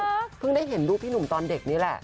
คือเพิ่งได้เห็นรูปพี่หนุ่มตอนเด็กนี่แหละ